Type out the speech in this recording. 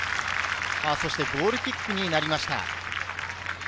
ゴールキックになりました。